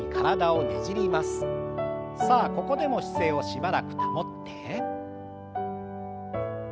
さあここでも姿勢をしばらく保って。